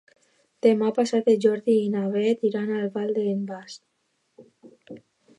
Demà passat en Jordi i na Beth iran a la Vall d'en Bas.